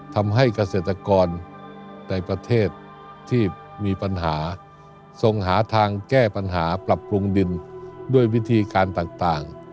ทำให้เกษตรกรในประเทศที่มีปัญหาทรงหาทางแก้ปัญหาปรับปรุงดินด้วยวิธีการต่าง